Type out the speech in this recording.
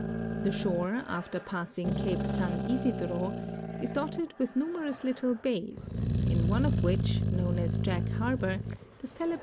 'J'he shore, after passing Cape San Isidro, is dotted with numerous little bays, in one of which, known as Jack harbor, the celel)rat